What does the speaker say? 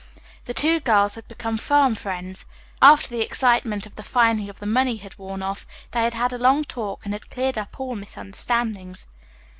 The two girls had become firm friends. After the excitement of the finding of the money had worn off, they had had a long talk and had cleared up all misunderstandings.